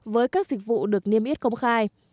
với các dịch vụ được niêm yết công khai